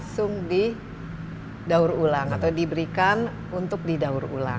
jadi di daur ulang atau diberikan untuk di daur ulang